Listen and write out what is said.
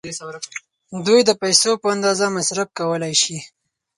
دوی د پیسو په اندازه مصرف کولای شي.